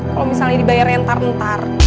kalau misalnya dibayarnya ntar ntar